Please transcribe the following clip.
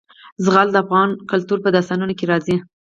زغال د افغان کلتور په داستانونو کې راځي.